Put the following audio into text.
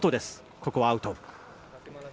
ここはアウト。